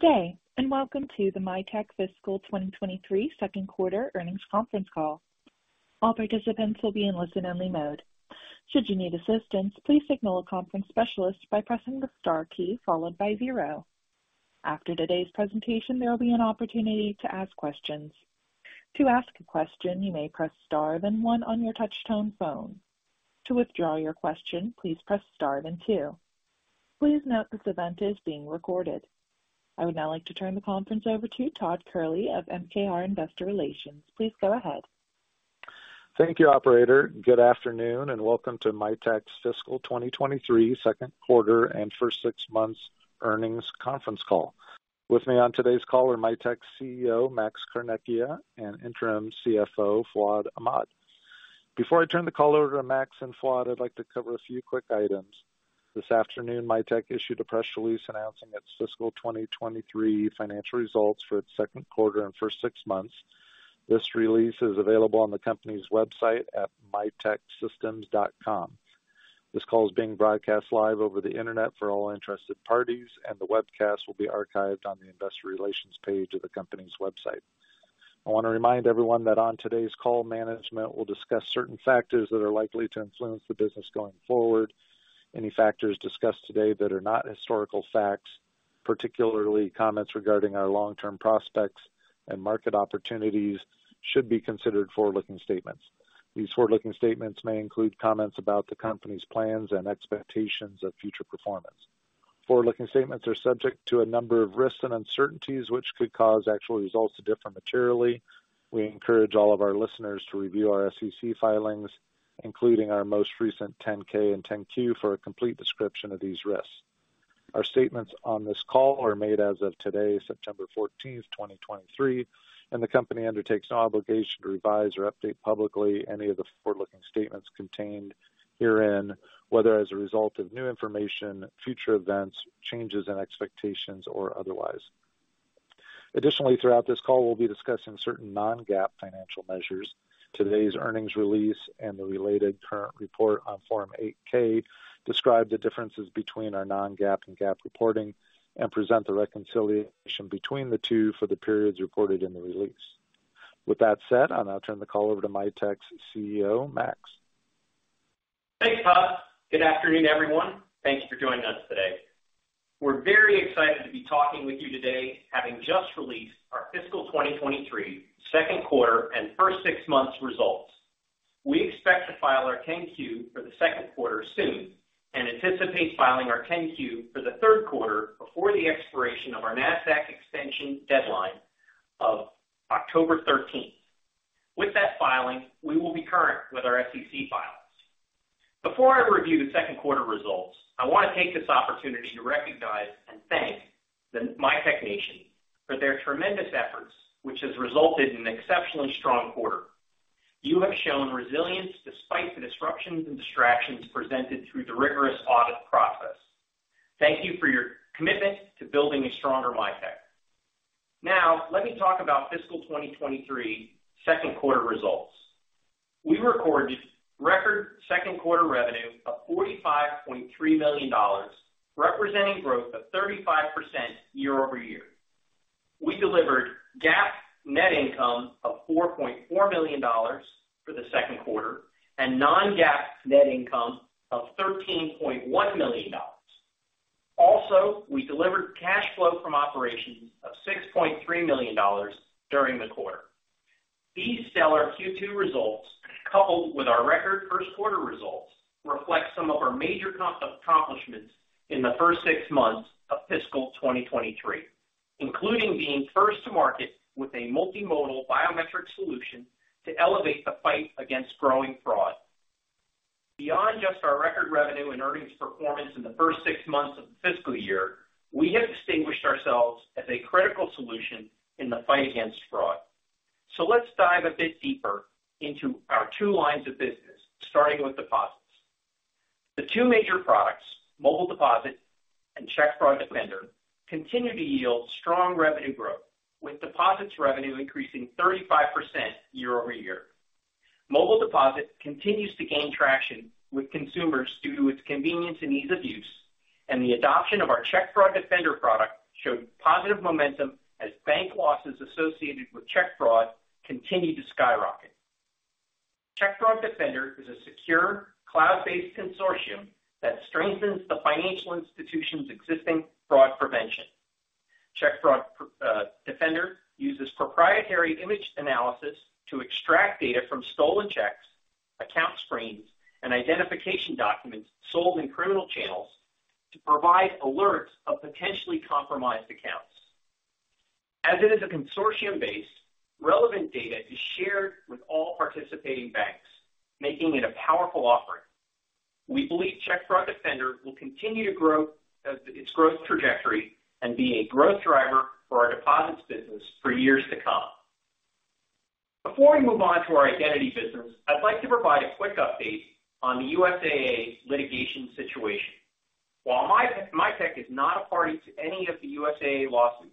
Good day, and welcome to the Mitek Fiscal 2023 Q2 Earnings Conference Call. All participants will be in listen-only mode. Should you need assistance, please signal a conference specialist by pressing the star key followed by zero. After today's presentation, there will be an opportunity to ask questions. To ask a question, you may press Star then one on your touchtone phone. To withdraw your question, please press Star then two. Please note this event is being recorded. I would now like to turn the conference over to Todd Kehrli of MKR Investor Relations. Please go ahead. Thank you, operator. Good afternoon, and welcome to Mitek's Fiscal 2023 Q2 and First Six Months Earnings Conference Call. With me on today's call are Mitek's CEO, Max Carnecchia, and Interim CFO, Fuad Ahmad. Before I turn the call over to Max and Fuad, I'd like to cover a few quick items. This afternoon, Mitek issued a press release announcing its fiscal 2023 financial results for its Q2 and first six months. This release is available on the company's website at miteksystems.com. This call is being broadcast live over the Internet for all interested parties, and the webcast will be archived on the investor relations page of the company's website. I want to remind everyone that on today's call, management will discuss certain factors that are likely to influence the business going forward. Any factors discussed today that are not historical facts, particularly comments regarding our long-term prospects and market opportunities, should be considered forward-looking statements. These forward-looking statements may include comments about the company's plans and expectations of future performance. Forward-looking statements are subject to a number of risks and uncertainties, which could cause actual results to differ materially. We encourage all of our listeners to review our SEC filings, including our most recent 10-K and 10-Q, for a complete description of these risks. Our statements on this call are made as of today, September 14, 2023, and the company undertakes no obligation to revise or update publicly any of the forward-looking statements contained herein, whether as a result of new information, future events, changes in expectations, or otherwise. Additionally, throughout this call, we'll be discussing certain non-GAAP financial measures. Today's earnings release and the related current report on Form 8-K describe the differences between our non-GAAP and GAAP reporting and present the reconciliation between the two for the periods reported in the release. With that said, I'll now turn the call over to Mitek's CEO, Max. Thanks, Todd. Good afternoon, everyone. Thank you for joining us today. We're very excited to be talking with you today, having just released our fiscal 2023 Q2 and first six months results. We expect to file our 10-Q for the Q2 soon and anticipate filing our 10-Q for the third quarter before the expiration of our NASDAQ extension deadline of October 13. With that filing, we will be current with our SEC filings. Before I review the Q2 results, I want to take this opportunity to recognize and thank the Mitek Nation for their tremendous efforts, which has resulted in an exceptionally strong quarter. You have shown resilience despite the disruptions and distractions presented through the rigorous audit process. Thank you for your commitment to building a stronger Mitek. Now, let me talk about fiscal 2023 Q2 results. We recorded record Q2 revenue of $45.3 million, representing growth of 35% year-over-year. We delivered GAAP net income of $4.4 million for the Q2 and non-GAAP net income of $13.1 million. Also, we delivered cash flow from operations of $6.3 million during the quarter. These stellar Q2 results, coupled with our record first quarter results, reflect some of our major accomplishments in the first six months of fiscal 2023, including being first to market with a multimodal biometric solution to elevate the fight against growing fraud. Beyond just our record revenue and earnings performance in the first six months of the fiscal year, we have distinguished ourselves as a critical solution in the fight against fraud. So let's dive a bit deeper into our two lines of business, starting with deposits. The two major products, Mobile Deposit and Check Fraud Defender, continue to yield strong revenue growth, with deposits revenue increasing 35% year-over-year. Mobile Deposit continues to gain traction with consumers due to its convenience and ease of use, and the adoption of our Check Fraud Defender product showed positive momentum as bank losses associated with check fraud continued to skyrocket. Check Fraud Defender is a secure, cloud-based consortium that strengthens the financial institution's existing fraud prevention. Check Fraud Defender uses proprietary image analysis to extract data from stolen checks, account screens, and identification documents sold in criminal channels to provide alerts of potentially compromised accounts. As it is a consortium base, relevant data is shared with all participating banks, making it a powerful offering. We believe Check Fraud Defender will continue to grow as its growth trajectory and be a growth driver for our deposits business for years to come. Before we move on to our identity business, I'd like to provide a quick update on the USAA litigation situation. While Mitek, Mitek is not a party to any of the USAA lawsuits.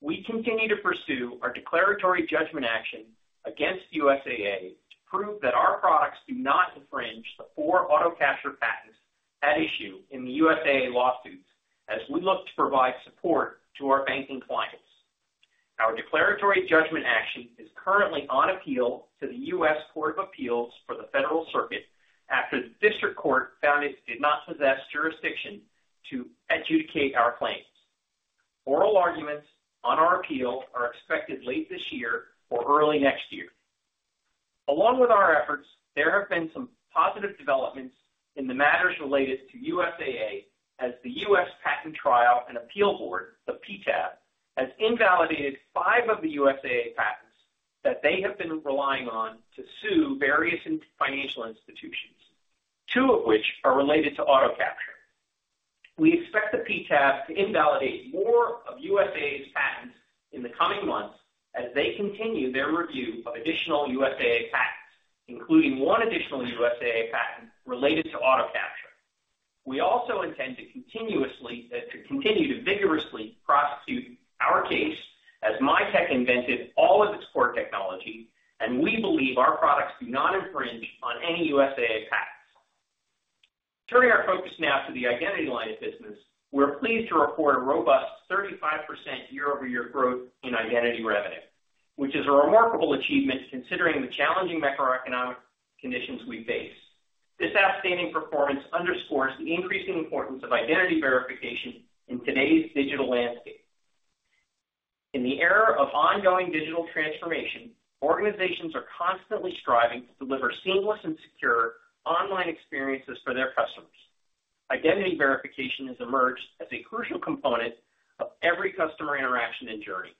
We continue to pursue our declaratory judgment action against USAA to prove that our products do not infringe the four auto capture patents at issue in the USAA lawsuits as we look to provide support to our banking clients. Our declaratory judgment action is currently on appeal to the U.S. Court of Appeals for the Federal Circuit after the district court found it did not possess jurisdiction to adjudicate our claims. Oral arguments on our appeal are expected late this year or early next year. Along with our efforts, there have been some positive developments in the matters related to USAA as the U.S. Patent Trial and Appeal Board, the PTAB, has invalidated 5 of the USAA patents that they have been relying on to sue various financial institutions, 2 of which are related to auto capture. We expect the PTAB to invalidate more of USAA's patents in the coming months as they continue their review of additional USAA patents, including 1 additional USAA patent related to auto capture. We also intend to continuously, to continue to vigorously prosecute our case as Mitek invented all of its core technology, and we believe our products do not infringe on any USAA patents. Turning our focus now to the identity line of business, we're pleased to report a robust 35% year-over-year growth in identity revenue, which is a remarkable achievement considering the challenging macroeconomic conditions we face. This outstanding performance underscores the increasing importance of identity verification in today's digital landscape. In the era of ongoing digital transformation, organizations are constantly striving to deliver seamless and secure online experiences for their customers. Identity verification has emerged as a crucial component of every customer interaction and journey.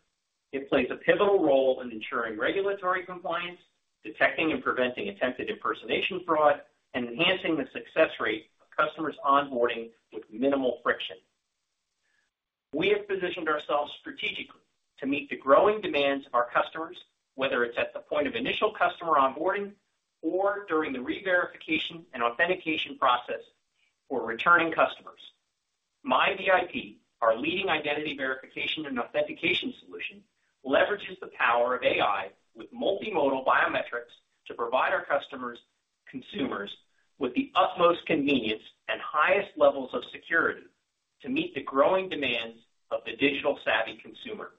It plays a pivotal role in ensuring regulatory compliance, detecting and preventing attempted impersonation fraud, and enhancing the success rate of customers' onboarding with minimal friction. We have positioned ourselves strategically to meet the growing demands of our customers, whether it's at the point of initial customer onboarding or during the reverification and authentication process for returning customers. MiVIP, our leading identity verification and authentication solution, leverages the power of AI with multimodal biometrics to provide our customers-consumers with the utmost convenience and highest levels of security to meet the growing demands of the digital-savvy consumer.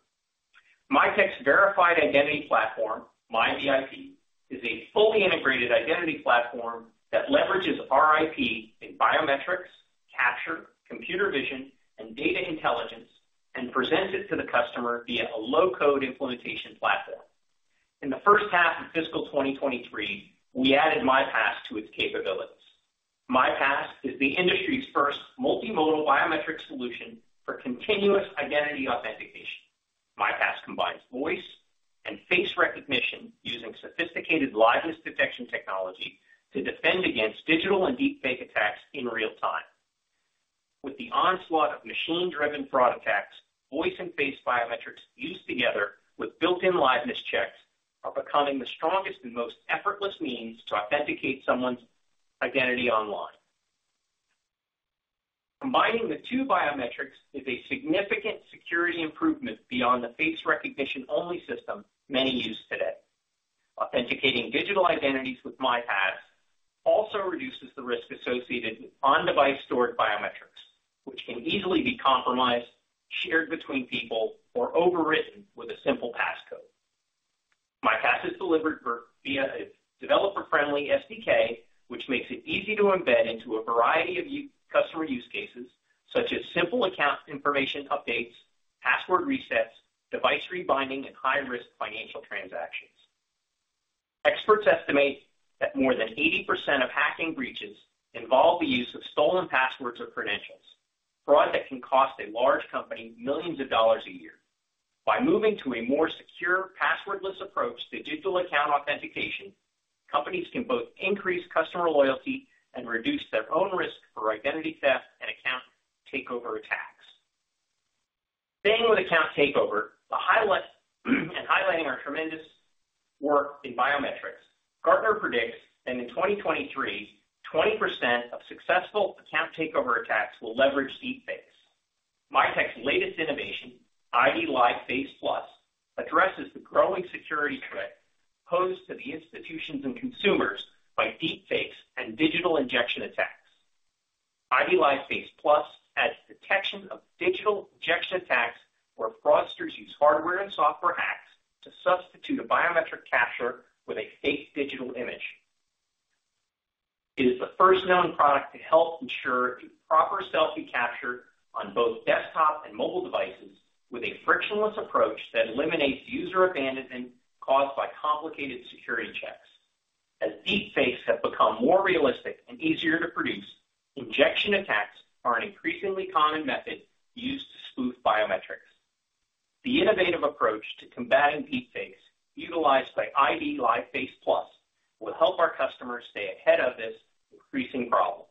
Mitek's verified identity platform, MiVIP, is a fully integrated identity platform that leverages our IP in biometrics, capture, computer vision, and data intelligence and presents it to the customer via a low-code implementation platform. In the first half of fiscal 2023, we added MiPass to its capabilities. MiPass is the industry's first multimodal biometric solution for continuous identity authentication. MiPass combines voice and face recognition using sophisticated liveness detection technology to defend against digital and deepfake attacks in real time. With the onslaught of machine-driven fraud attacks, voice and face biometrics used together with built-in liveness checks are becoming the strongest and most effortless means to authenticate someone's identity online. Combining the two biometrics is a significant security improvement beyond the face recognition-only system many use today. Authenticating digital identities with MiPass also reduces the risk associated with on-device stored biometrics, which can easily be compromised, shared between people, or overwritten with a simple passcode. MiPass is delivered via a developer-friendly SDK, which makes it easy to embed into a variety of customer use cases, such as simple account information updates, password resets, device rebinding, and high-risk financial transactions. Experts estimate that more than 80% of hacking breaches involve the use of stolen passwords or credentials, fraud that can cost a large company $ millions a year. By moving to a more secure, passwordless approach to digital account authentication, companies can both increase customer loyalty and reduce their own risk for identity theft and account takeover attacks. Staying with account takeover, highlighting our tremendous work in biometrics, Gartner predicts that in 2023, 20% of successful account takeover attacks will leverage deepfakes. Mitek's latest innovation, IDLive Face+, addresses the growing security threat posed to the institutions and consumers by deepfakes and digital injection attacks. IDLive Face+ adds detection of digital injection attacks, where fraudsters use hardware and software hacks to substitute a biometric capture with a fake digital image. It is the first known product to help ensure a proper selfie capture on both desktop and mobile devices, with a frictionless approach that eliminates user abandonment caused by complicated security checks. As deepfakes have become more realistic and easier to produce, injection attacks are an increasingly common method used to spoof biometrics. The innovative approach to combating deepfakes utilized by IDLive Face+ will help our customers stay ahead of this increasing problem.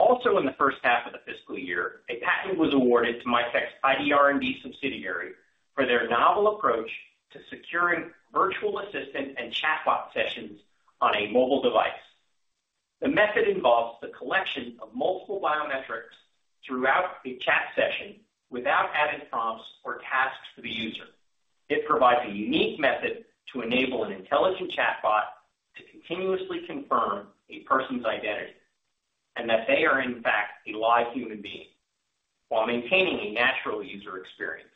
Also, in the first half of the fiscal year, a patent was awarded to Mitek's ID R&D subsidiary for their novel approach to securing virtual assistant and chatbot sessions on a mobile device. The method involves the collection of multiple biometrics throughout a chat session without adding prompts or tasks to the user. It provides a unique method to enable an intelligent chatbot to continuously confirm a person's identity, and that they are in fact, a live human being, while maintaining a natural user experience.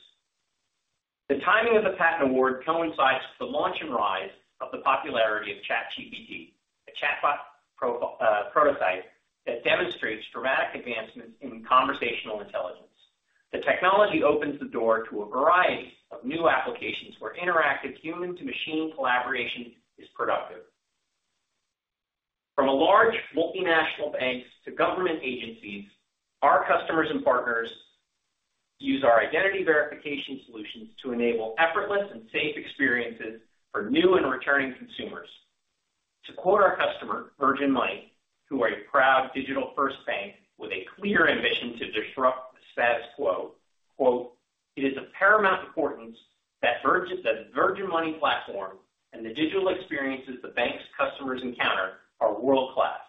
The timing of the patent award coincides with the launch and rise of the popularity of ChatGPT, a chatbot prototype that demonstrates dramatic advancements in conversational intelligence. The technology opens the door to a variety of new applications where interactive human to machine collaboration is productive. From a large multinational banks to government agencies, our customers and partners use our identity verification solutions to enable effortless and safe experiences for new and returning consumers. To quote our customer, Virgin Money, who are a proud digital first bank with a clear ambition to disrupt the status quo. "It is of paramount importance that Virgin Money platform and the digital experiences the bank's customers encounter are world-class.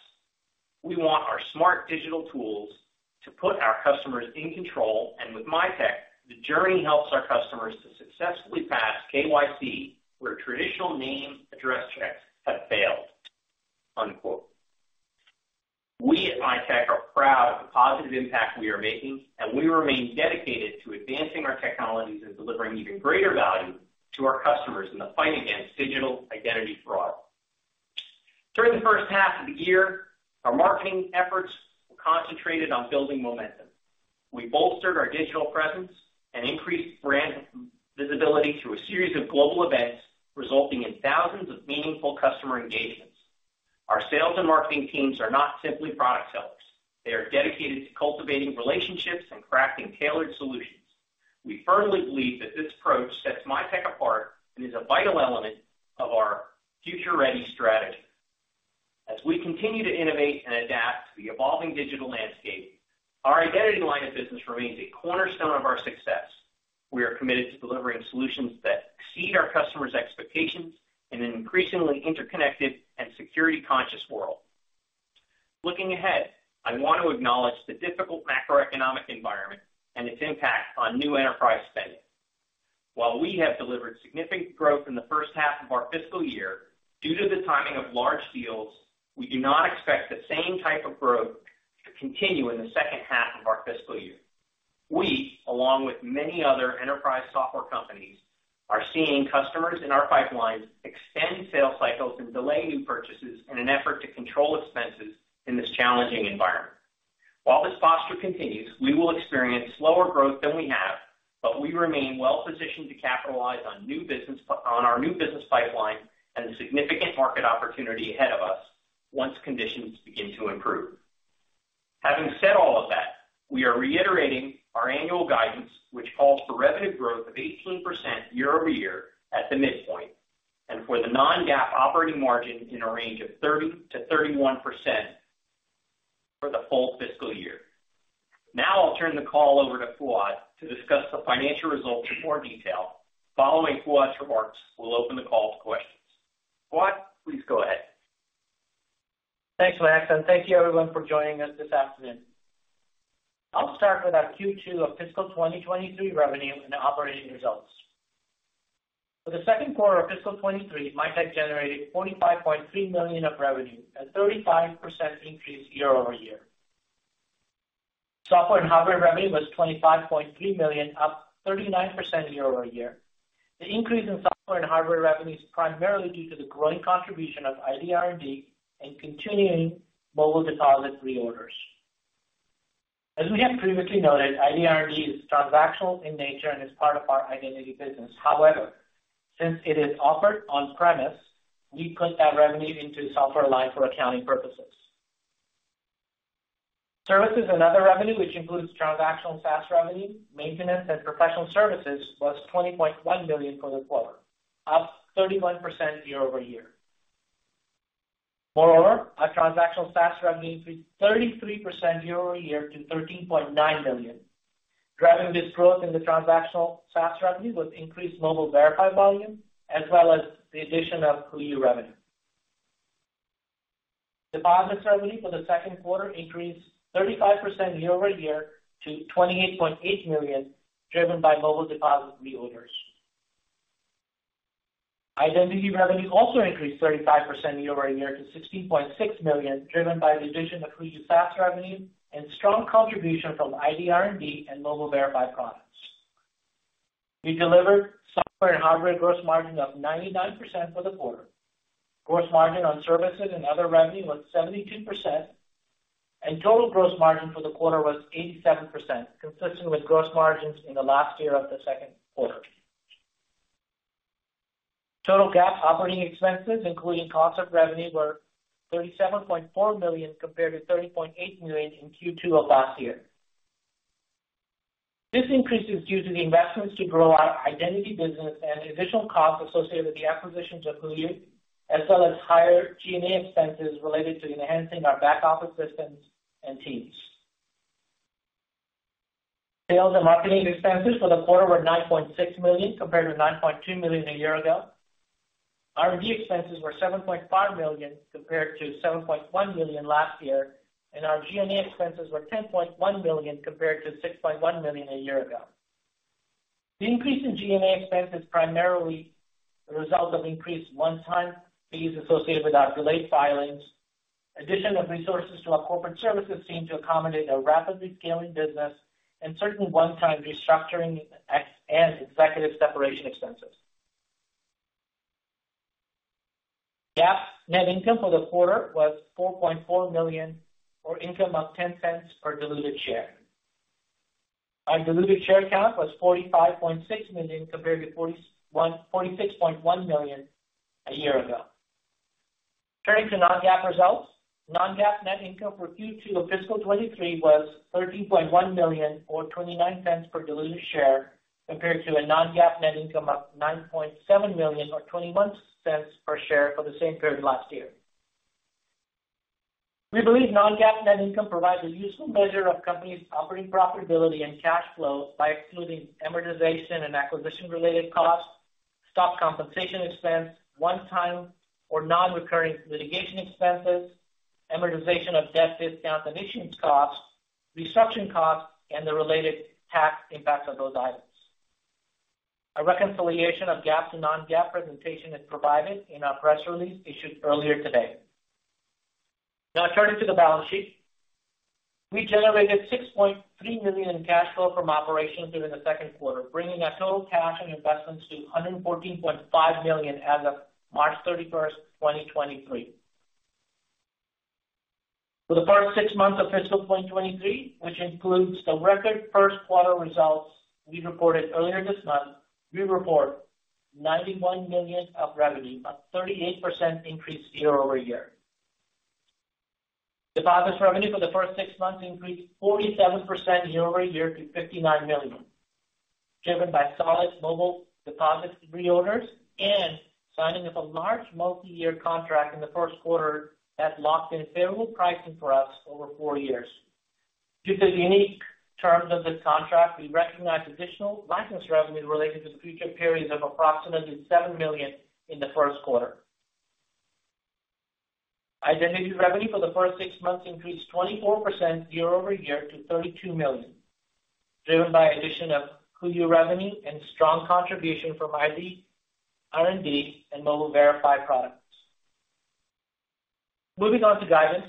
We want our smart digital tools to put our customers in control, and with Mitek, the journey helps our customers to successfully pass KYC, where traditional name address checks have failed. We at Mitek are proud of the positive impact we are making, and we remain dedicated to advancing our technologies and delivering even greater value to our customers in the fight against digital identity fraud. During the first half of the year, our marketing efforts were concentrated on building momentum. We bolstered our digital presence and increased brand visibility through a series of global events, resulting in thousands of meaningful customer engagements. Our sales and marketing teams are not simply product sellers. They are dedicated to cultivating relationships and crafting tailored solutions. We firmly believe that this approach sets Mitek apart and is a vital element of our future-ready strategy. As we continue to innovate and adapt to the evolving digital landscape, our identity line of business remains a cornerstone of our success. We are committed to delivering solutions that exceed our customers' expectations in an increasingly interconnected and security-conscious world. Looking ahead, I want to acknowledge the difficult macroeconomic environment and its impact on new enterprise spending. While we have delivered significant growth in the first half of our fiscal year, due to the timing of large deals, we do not expect the same type of growth to continue in the second half of our fiscal year. We, along with many other enterprise software companies, are seeing customers in our pipelines extend sales cycles and delay new purchases in an effort to control expenses in this challenging environment. While this posture continues, we will experience slower growth than we have, but we remain well positioned to capitalize on our new business pipeline and the significant market opportunity ahead of us once conditions begin to improve. Having said all of that, we are reiterating our annual guidance, which calls for revenue growth of 18% year-over-year at the midpoint, and for the non-GAAP operating margin in a range of 30%-31% for the full fiscal year. Now I'll turn the call over to Fuad to discuss the financial results in more detail. Following Fuad's remarks, we'll open the call to questions. Fuad, please go ahead. Thanks, Max, and thank you everyone for joining us this afternoon. I'll start with our Q2 of fiscal 2023 revenue and operating results. For the Q2 of fiscal 2023, Mitek generated $45.3 million of revenue, a 35% increase year-over-year. Software and hardware revenue was $25.3 million, up 39% year-over-year. The increase in software and hardware revenue is primarily due to the growing contribution of ID R&D and continuing Mobile Deposit reorders. As we have previously noted, ID R&D is transactional in nature and is part of our identity business. However, since it is offered on premise, we put that revenue into the software line for accounting purposes. Services and other revenue, which includes transactional SaaS revenue, maintenance and professional services, was $20.1 million for the quarter, up 31% year-over-year. Moreover, our transactional SaaS revenue increased 33% year-over-year to $13.9 million. Driving this growth in the transactional SaaS revenue was increased Mobile Verify volume, as well as the addition of HooYu revenue. Deposits revenue for the Q2 increased 35% year-over-year to $28.8 million, driven by mobile deposit reorders. Identity revenue also increased 35% year-over-year to $16.6 million, driven by the addition of HooYu SaaS revenue and strong contribution from ID R&D and Mobile Verify products. We delivered software and hardware gross margin of 99% for the quarter. Gross margin on services and other revenue was 72%, and total gross margin for the quarter was 87%, consistent with gross margins in the last year of the Q2. Total GAAP operating expenses, including cost of revenue, were $37.4 million, compared to $30.8 million in Q2 of last year. This increase is due to the investments to grow our identity business and the additional costs associated with the acquisitions of HooYu, as well as higher G&A expenses related to enhancing our back office systems and teams. Sales and marketing expenses for the quarter were $9.6 million, compared to $9.2 million a year ago. R&D expenses were $7.5 million, compared to $7.1 million last year, and our G&A expenses were $10.1 million, compared to $6.1 million a year ago. The increase in G&A expenses, primarily the result of increased one-time fees associated with our delayed filings, addition of resources to our corporate services team to accommodate a rapidly scaling business and certain one-time restructuring and executive separation expenses. GAAP net income for the quarter was $4.4 million, or income of $0.10 per diluted share. Our diluted share count was 45.6 million, compared to 46.1 million a year ago. Turning to non-GAAP results. Non-GAAP net income for Q2 of fiscal 2023 was $13.1 million, or $0.29 per diluted share, compared to a non-GAAP net income of $9.7 million or $0.21 per share for the same period last year. We believe non-GAAP net income provides a useful measure of company's operating profitability and cash flow by excluding amortization and acquisition-related costs, stock compensation expense, one-time or non-recurring litigation expenses, amortization of debt discount and issuance costs, restructuring costs, and the related tax impacts of those items. A reconciliation of GAAP to non-GAAP presentation is provided in our press release issued earlier today. Now turning to the balance sheet. We generated $6.3 million in cash flow from operations during the Q2, bringing our total cash and investments to $114.5 million as of March 31, 2023. For the first 6 months of fiscal 2023, which includes the record first quarter results we reported earlier this month, we report $91 million of revenue, a 38% increase year-over-year. Deposit revenue for the first six months increased 47% year-over-year to $59 million, driven by solid mobile deposit reorders and signing of a large multiyear contract in the first quarter that locked in favorable pricing for us over 4 years. Due to the unique terms of this contract, we recognized additional license revenue related to the future periods of approximately $7 million in the first quarter. Identity revenue for the first six months increased 24% year-over-year to $32 million, driven by addition of HooYu revenue and strong contribution from ID R&D and Mobile Verify products. Moving on to guidance.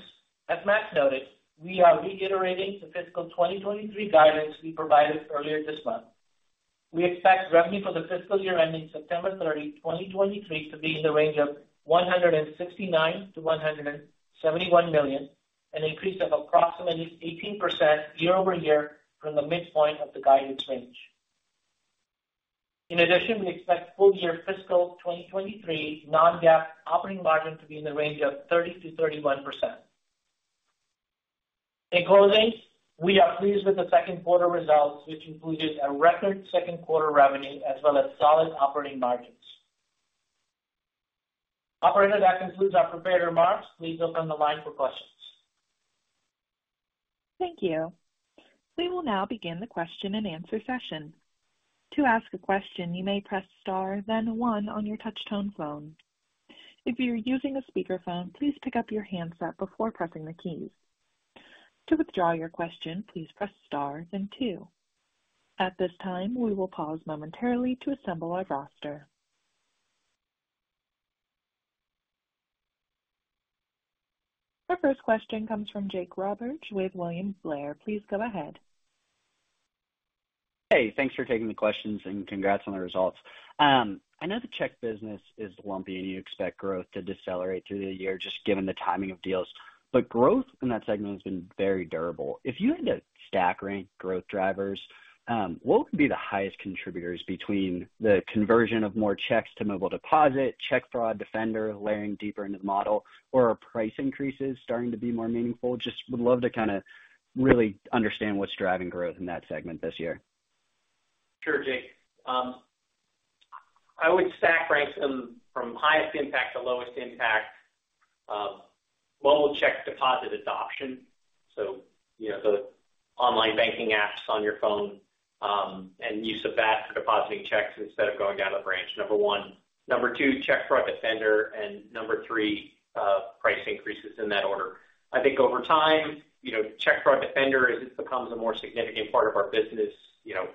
As Max noted, we are reiterating the fiscal 2023 guidance we provided earlier this month. We expect revenue for the fiscal year ending September 30, 2023, to be in the range of $169 million-$171 million, an increase of approximately 18% year-over-year from the midpoint of the guidance range. In addition, we expect full year fiscal 2023 non-GAAP operating margin to be in the range of 30%-31%. In closing, we are pleased with the Q2 results, which included a record Q2 revenue as well as solid operating margins. Operator, that concludes our prepared remarks. Please open the line for questions. Thank you. We will now begin the question-and-answer session. To ask a question, you may press star, then one on your touch tone phone. If you're using a speakerphone, please pick up your handset before pressing the keys. To withdraw your question, please press star then two. At this time, we will pause momentarily to assemble our roster. Our first question comes from Jake Roberge with William Blair. Please go ahead. Hey, thanks for taking the questions and congrats on the results. I know the check business is lumpy, and you expect growth to decelerate through the year, just given the timing of deals. But growth in that segment has been very durable. If you had to stack rank growth drivers, what would be the highest contributors between the conversion of more checks to mobile deposit, Check Fraud Defender, layering deeper into the model, or are price increases starting to be more meaningful? Just would love to kind a really understand what's driving growth in that segment this year. Sure, Jake. I would stack rank them from highest impact to lowest impact, mobile check deposit adoption, so, you know, the online banking apps on your phone, and use of that for depositing checks instead of going down a branch, number one. Number two, Check Fraud Defender. And number three, price increases in that order. I think over time, you know, Check Fraud Defender, as it becomes a more significant part of our business, you know,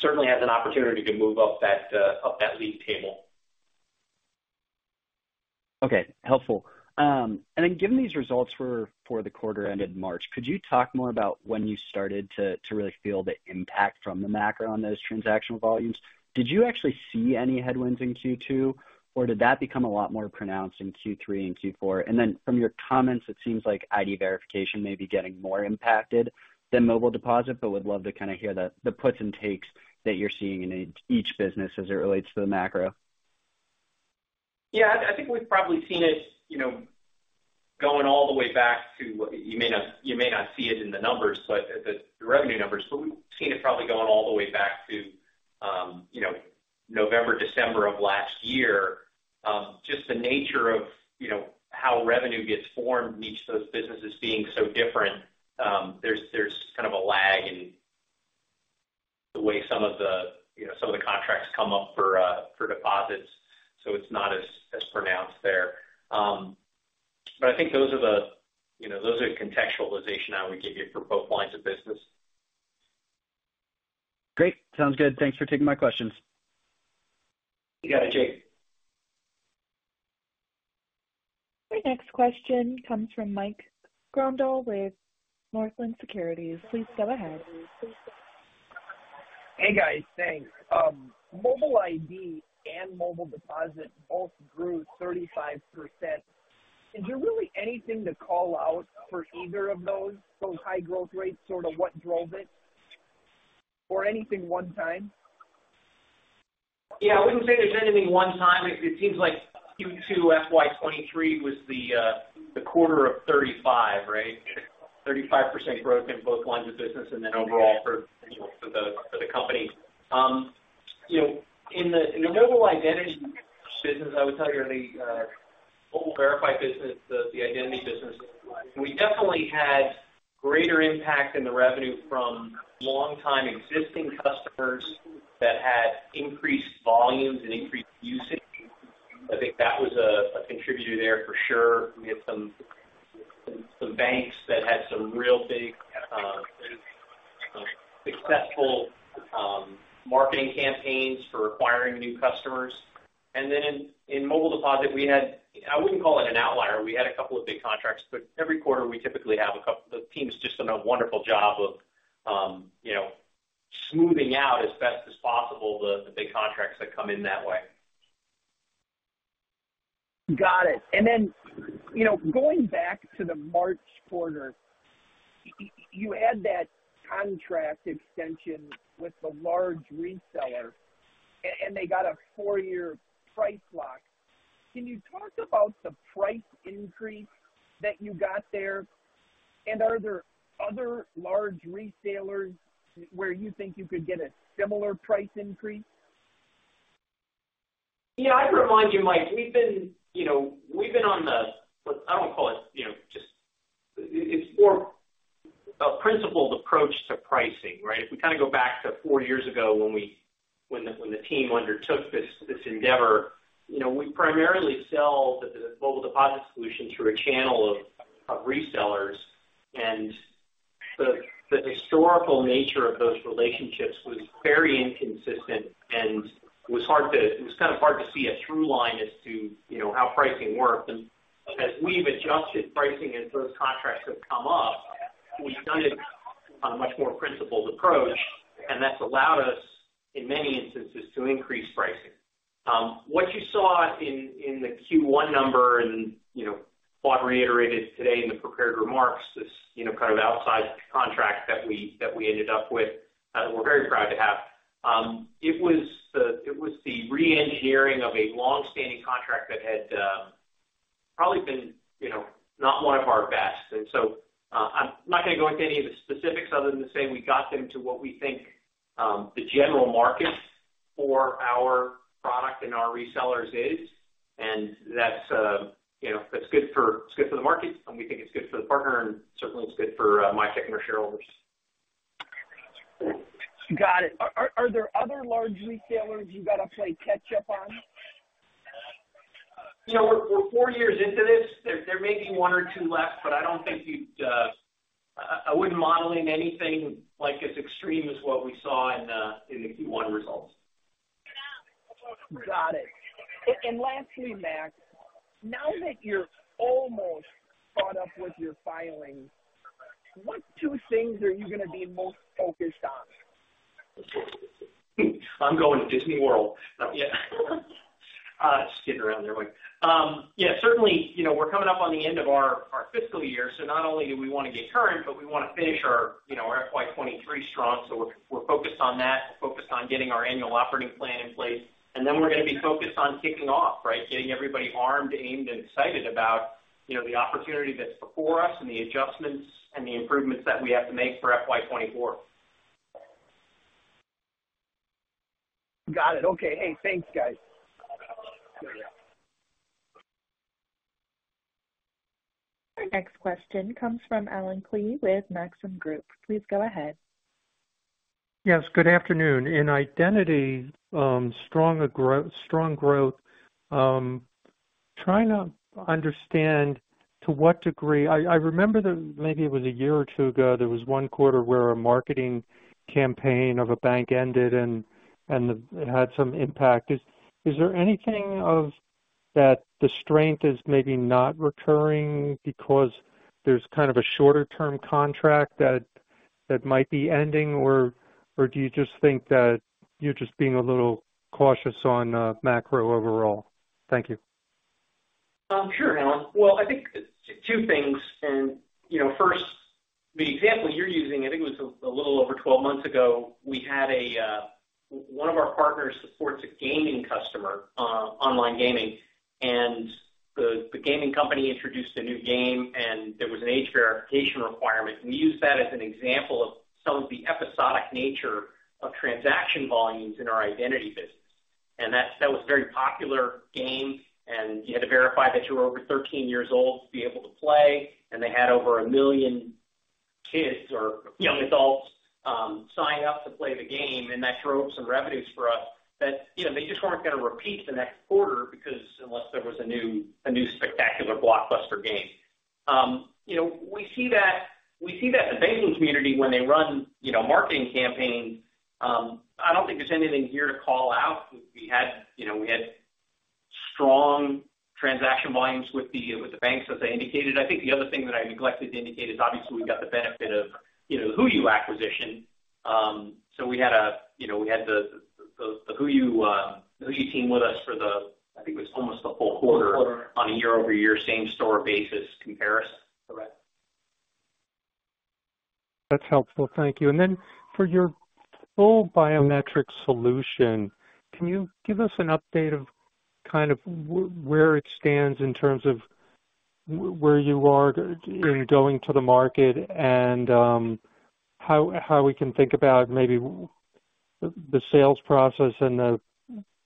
certainly has an opportunity to move up that, up that lead table. Okay, helpful. And then given these results for the quarter ended March, could you talk more about when you started to really feel the impact from the macro on those transactional volumes? Did you actually see any headwinds in Q2, or did that become a lot more pronounced in Q3 and Q4? And then from your comments, it seems like ID verification may be getting more impacted than mobile deposit, but would love to kind a hear the puts and takes that you're seeing in each business as it relates to the macro. Yeah, I think we've probably seen it, you know, going all the way back you may not see it in the numbers, but the revenue numbers, but we've seen it probably going all the way back to- You know, November, December of last year, just the nature of, you know, how revenue gets formed in each of those businesses being so different, there's kind of a lag in the way some of the, you know, some of the contracts come up for deposits, so it's not as pronounced there. But I think those are the, you know, those are the contextualization I would give you for both lines of business. Great. Sounds good. Thanks for taking my questions. You got it, Jake. Our next question comes from Mike Grondahl with Northland Securities. Please go ahead. Hey, guys. Thanks. Mobile ID and Mobile Deposit both grew 35%. Is there really anything to call out for either of those high growth rates, sort of what drove it? Or anything one time? Yeah, I wouldn't say there's anything one time. It seems like Q2 FY 2023 was the quarter of 35, right? 35% growth in both lines of business and then overall for the company. You know, in the mobile identity business, I would tell you, or the mobile verify business, the identity business, we definitely had greater impact in the revenue from long-time existing customers that had increased volumes and increased usage. I think that was a contributor there for sure. We had some banks that had some real big successful marketing campaigns for acquiring new customers. And then in Mobile Deposit, we had. I wouldn't call it an outlier. We had a couple of big contracts, but every quarter we typically have a couple. The team's just done a wonderful job of, you know, smoothing out as best as possible the big contracts that come in that way. Got it. And then, you know, going back to the March quarter, you had that contract extension with the large reseller, and they got a four-year price lock. Can you talk about the price increase that you got there? And are there other large retailers where you think you could get a similar price increase? Yeah, I'd remind you, Mike, we've been, you know, we've been on the, I don't call it, you know, it's more a principled approach to pricing, right? If we kind of go back to 4 years ago when the team undertook this, this endeavor, you know, we primarily sell the Mobile Deposit solution through a channel of, of resellers. And the, the historical nature of those relationships was very inconsistent and it was hard to see a through line as to, you know, how pricing worked. And as we've adjusted pricing as those contracts have come up, we've done it on a much more principled approach, and that's allowed us, in many instances, to increase pricing. What you saw in the Q1 number and, you know, Fuad reiterated today in the prepared remarks, this, you know, kind of outsized contract that we ended up with, we're very proud to have. It was the reengineering of a long-standing contract that had probably been, you know, not one of our best. And so, I'm not going to go into any of the specifics other than to say we got them to what we think the general market for our product and our resellers is, and that's, you know, it's good for the market, and we think it's good for the partner, and certainly it's good for Mitek and our shareholders. Got it. Are there other large retailers you got to play catch up on? You know, we're four years into this. There may be one or two left, but I don't think you'd, I wouldn't model in anything like as extreme as what we saw in the Q1 results. Got it. And lastly, Max, now that you're almost caught up with your filings, what two things are you gonna be most focused on? I'm going to Disney World. Just kidding around there, Mike. Yeah, certainly, you know, we're coming up on the end of our, our fiscal year, so not only do we want to get current, but we want to finish our, you know, our FY 2023 strong. So we're, we're focused on that. We're focused on getting our annual operating plan in place, and then we're going to be focused on kicking off, right? Getting everybody armed, aimed, and excited about, you know, the opportunity that's before us and the adjustments and the improvements that we have to make for FY 2024. Got it. Okay. Hey, thanks, guys. Our next question comes from Allen Klee with Maxim Group. Please go ahead. Yes, good afternoon. In identity, strong growth, trying to understand to what degree. I remember that maybe it was a year or two ago, there was one quarter where a marketing campaign of a bank ended and it had some impact. Is there anything of that the strength is maybe not recurring because there's kind of a shorter term contract that might be ending? Or do you just think that you're just being a little cautious on macro overall? Thank you. Sure, Alan. Well, I think two things, and, you know, first, the example you're using, I think it was a little over 12 months ago, we had one of our partners supports a gaming customer, online gaming and the gaming company introduced a new game, and there was an age verification requirement. We used that as an example of some of the episodic nature of transaction volumes in our identity business. And that was a very popular game, and you had to verify that you were over 13 years old to be able to play, and they had over 1 million kids or young adults sign up to play the game, and that drove some revenues for us that, you know, they just weren't gonna repeat the next quarter because unless there was a new spectacular blockbuster game. You know, we see that, we see that the banking community, when they run, you know, marketing campaigns, I don't think there's anything here to call out. We had, you know, we had strong transaction volumes with the, with the banks, as I indicated. I think the other thing that I neglected to indicate is obviously we've got the benefit of, you know, the HooYu acquisition. So we had a, you know, we had the, the, the HooYu team with us for the, I think it was almost the whole quarter on a year-over-year, same-store basis comparison. Correct. That's helpful. Thank you. And then for your full biometric solution, can you give us an update of kind of where it stands in terms of where you are in going to the market and, how we can think about maybe the sales process and the,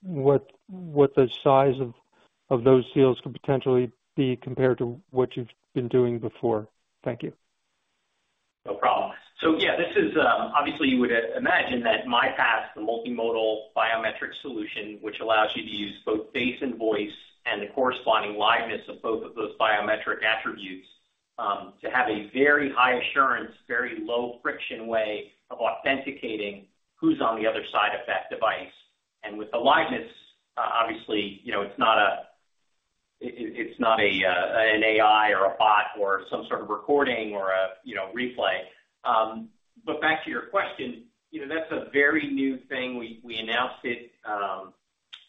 what the size of those deals could potentially be compared to what you've been doing before? Thank you. No problem. So yeah, this is obviously, you would imagine that MiPass, the multimodal biometric solution, which allows you to use both face and voice and the corresponding liveness of both of those biometric attributes to have a very high assurance, very low-friction way of authenticating who's on the other side of that device. And with the liveness obviously, you know, it's not an AI or a bot or some sort of recording or a, you know, replay. But back to your question, you know, that's a very new thing. We announced it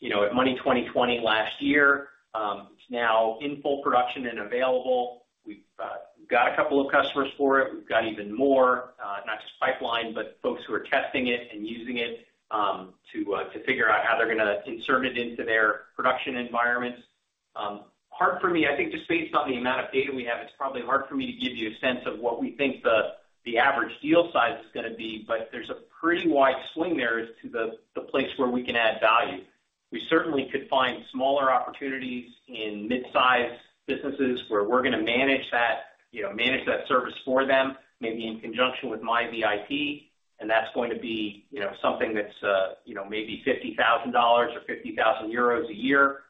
you know at Money 2020 last year. It's now in full production and available. We've got a couple of customers for it. We've got even more, not just pipeline, but folks who are testing it and using it, to figure out how they're gonna insert it into their production environments. Hard for me, I think, just based on the amount of data we have, it's probably hard for me to give you a sense of what we think the average deal size is gonna be, but there's a pretty wide swing there as to the place where we can add value. We certainly could find smaller opportunities in mid-sized businesses where we're gonna manage that, you know, manage that service for them, maybe in conjunction with MiVIP, and that's going to be, you know, something that's, you know, maybe $50,000 or 50,000 euros a year.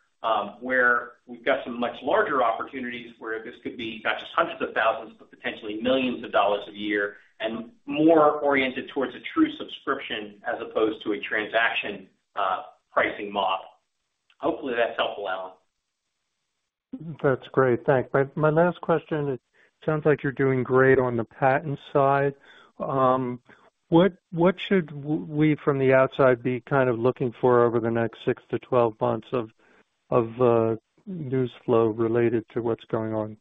where we've got some much larger opportunities, where this could be not just hundreds of thousands, but potentially millions of dollars a year, and more oriented towards a true subscription as opposed to a transaction, pricing model. Hopefully, that's helpful, Alan. That's great. Thank you. My last question, it sounds like you're doing great on the patent side. What should we, from the outside, be kind of looking for over the next 6-12 months of newsflow related to what's going on?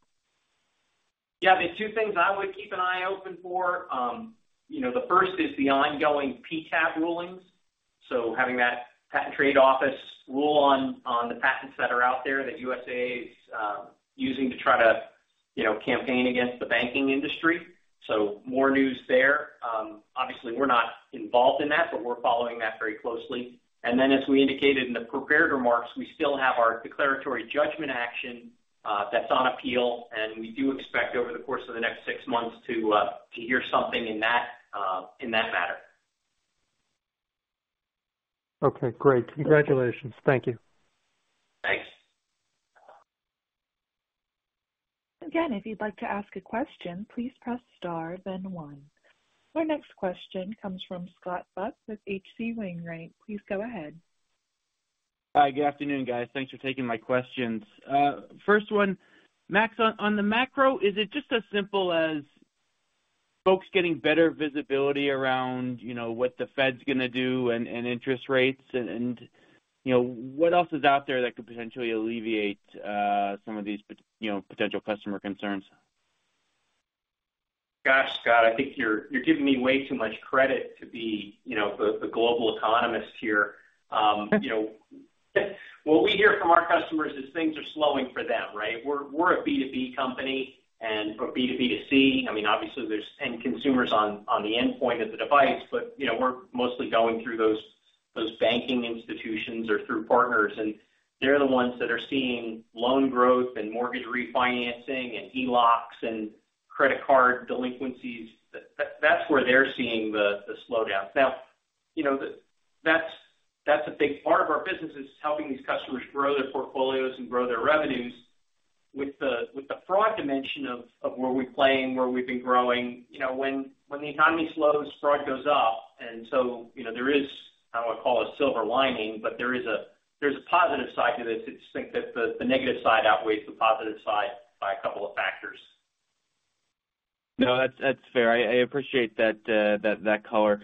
Yeah, the two things I would keep an eye open for, you know, the first is the ongoing PTAB rulings. So having that Patent and Trademark Office rule on the patents that are out there, that USAA is using to try to, you know, campaign against the banking industry. So more news there. Obviously, we're not involved in that, but we're following that very closely. And then, as we indicated in the prepared remarks, we still have our declaratory judgment action that's on appeal, and we do expect over the course of the next six months to hear something in that matter. Okay, great. Congratulations. Thank you. Thanks. Again, if you'd like to ask a question, please press star then one. Our next question comes from Scott Buck with H.C. Wainwright. Please go ahead. Hi, good afternoon, guys. Thanks for taking my questions. First one, Max, on the macro, is it just as simple as folks getting better visibility around, you know, what the Fed's gonna do and interest rates? And, you know, what else is out there that could potentially alleviate some of these, you know, potential customer concerns? Gosh, Scott, I think you're giving me way too much credit to be, you know, the global economist here. You know, what we hear from our customers is things are slowing for them, right? We're a B2B company and from B2B2C, I mean, obviously there's end consumers on the endpoint of the device, but, you know, we're mostly going through those banking institutions or through partners, and they're the ones that are seeing loan growth and mortgage refinancing, and HELOCs and credit card delinquencies. That's where they're seeing the slowdown. Now, you know, that's a big part of our business, is helping these customers grow their portfolios and grow their revenues with the fraud dimension of where we play and where we've been growing. You know, when the economy slows, fraud goes up, and so, you know, there is. I don't want to call it a silver lining, but there's a positive side to this. It's just that the negative side outweighs the positive side by a couple of factors. No, that's fair. I appreciate that color.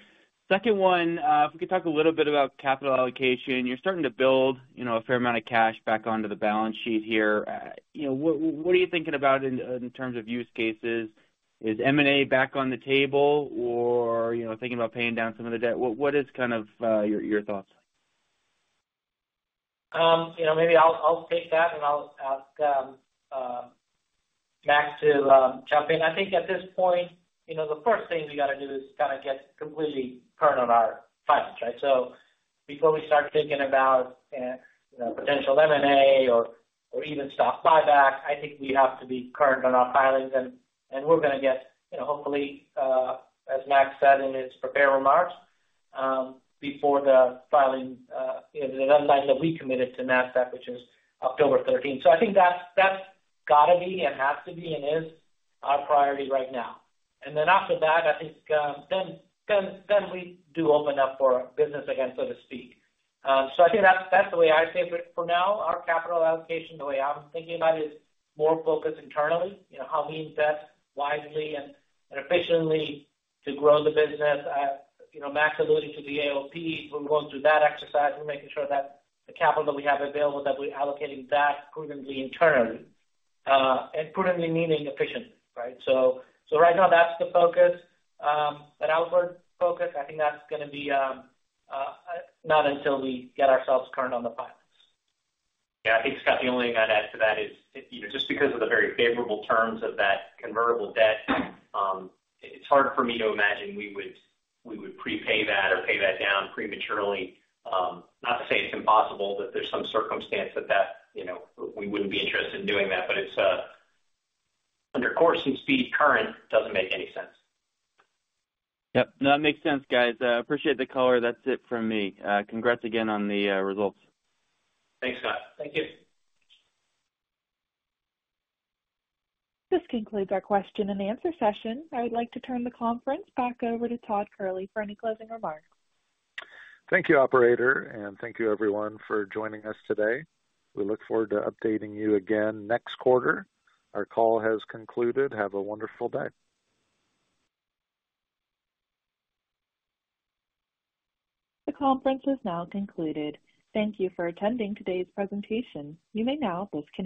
Second one, if we could talk a little bit about capital allocation. You're starting to build, you know, a fair amount of cash back onto the balance sheet here. You know, what are you thinking about in terms of use cases? Is M&A back on the table, or, you know, thinking about paying down some of the debt? What is kind of your thoughts? You know, maybe I'll take that, and I'll ask Max to jump in. I think at this point, you know, the first thing we got do is kind of get completely current on our filings, right? So before we start thinking about, you know, potential M&A or even stock buyback, I think we have to be current on our filings. And we're gonna get, you know, hopefully, as Max said in his prepared remarks, before the filing, you know, the deadline that we committed to NASDAQ, which is October thirteenth. So I think that's got to be, and has to be, and is our priority right now. And then after that, I think, then we do open up for business again, so to speak. So I think that's the way I see it. But for now, our capital allocation, the way I'm thinking about it, is more focused internally. You know, how we invest wisely and efficiently to grow the business. You know, Max alluded to the AOP. We're going through that exercise. We're making sure that the capital that we have available, that we're allocating that prudently internally, and prudently meaning efficiently, right? So right now, that's the focus. But outward focus, I think that's gonna be not until we get ourselves current on the filings. Yeah, I think, Scott, the only thing I'd add to that is, you know, just because of the very favorable terms of that convertible debt, it's hard for me to imagine we would prepay that or pay that down prematurely. Not to say it's impossible, that there's some circumstance that, you know, we wouldn't be interested in doing that, but it's under current course and speed, doesn't make any sense. Yep. No, it makes sense, guys. Appreciate the color. That's it from me. Congrats again on the results. Thanks, Scott. Thank you. This concludes our question and answer session. I would like to turn the conference back over to Todd Kehrli for any closing remarks. Thank you, operator, and thank you, everyone, for joining us today. We look forward to updating you again next quarter. Our call has concluded. Have a wonderful day. The conference is now concluded. Thank you for attending today's presentation. You may now disconnect.